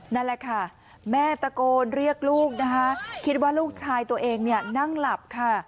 นั่นแหละค่ะแม่ตะโกนเรียกลูกนะคะคิดว่าลูกชายตัวเองเนี่ยนั่งหลับค่ะ